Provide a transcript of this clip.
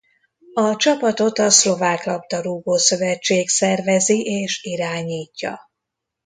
A csapatot a szlovák labdarúgó-szövetség szervezi és irányítja.